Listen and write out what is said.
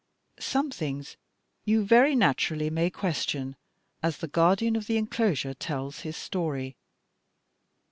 Some things you very naturally may question as the guardian of the enclosure tells his story.